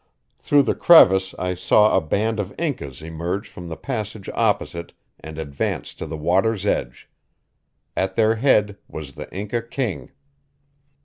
Through the crevice I saw a band of Incas emerge from the passage opposite and advance to the water's edge. At their head was the Inca king.